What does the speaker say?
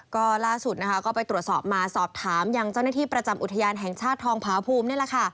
ก็ล่าสุดไปตรวจสอบมาสอบถามหญ้งเจ้าหน้าที่ประจำอุทยานแห่งชาติทองพาภูมิ